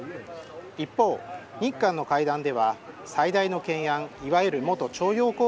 一方、日韓の会談では最大の懸案いわゆる元徴用工